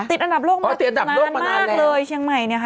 ติดอันดับโลกมาติดนานมากเลยเชียงใหม่เนี่ยค่ะ